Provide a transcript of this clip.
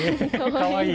かわいい。